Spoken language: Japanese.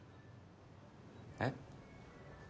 えっ？